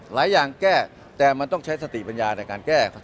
หลายอย่างแก้แต่มันต้องใช้สติปัญญาในการแก้